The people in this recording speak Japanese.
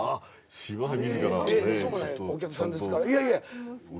すいません。